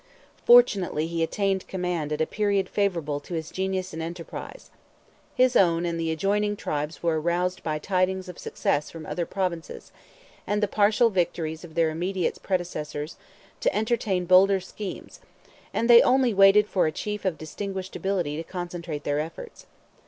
Fortunately he attained command at a period favourable to his genius and enterprise. His own and the adjoining tribes were aroused by tidings of success from other Provinces, and the partial victories of their immediate predecessors, to entertain bolder schemes, and they only waited for a chief of distinguished ability to concentrate their efforts.